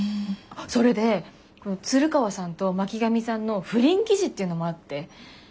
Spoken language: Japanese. それで鶴川さんと巻上さんの不倫記事っていうのもあって。